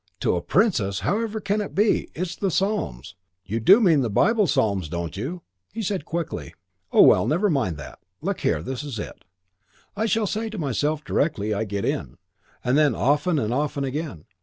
"To a princess! However can it be? It's the Psalms. You do mean the Bible Psalms, don't you?" He said quickly, "Oh, well, never mind that. Look here, this is it. I shall say it to myself directly I get in, and then often and often again.